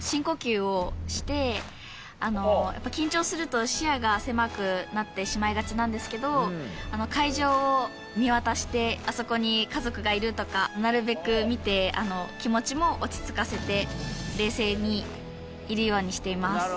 緊張すると視野が狭くなってしまいがちなんですけど。とかなるべく見て気持ちも落ち着かせて冷静にいるようにしています。